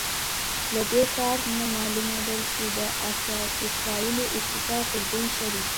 له دې کار نه معلومېدل چې د اسرائیلو اقتصاد تر دوی ښه دی.